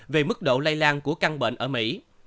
về mức độ lây lan của căn bệnh ở mỹ